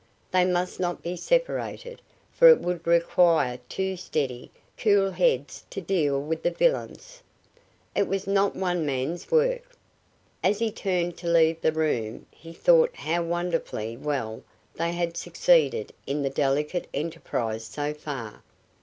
They must not be separated, for it would require two steady, cool heads to deal with the villains. It was not one man's work. As he turned to leave the room he thought how wonderfully well they had succeeded in the delicate enterprise so far.